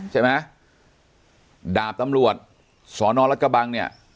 ใช่ไหมดาบตำรวจสอนอรัฐกะบังเนี่ย